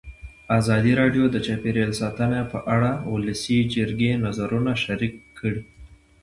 ازادي راډیو د چاپیریال ساتنه په اړه د ولسي جرګې نظرونه شریک کړي.